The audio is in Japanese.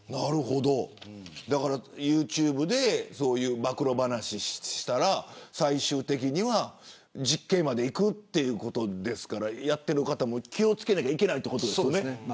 ユーチューブでそういう暴露話をしたら最終的には実刑までいくということですからやっている方も気を付けなければいけないということですよね。